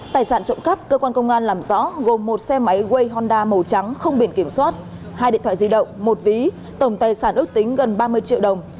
tài sản trộm cắp cơ quan công an làm rõ gồm một xe máy ây honda màu trắng không biển kiểm soát hai điện thoại di động một ví tổng tài sản ước tính gần ba mươi triệu đồng